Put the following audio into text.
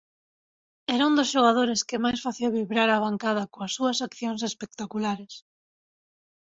Era un dos xogadores que máis facía vibrar á bancada coas súas accións espectaculares.